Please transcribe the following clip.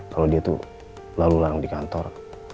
kalau dia itu lalu larang di kantor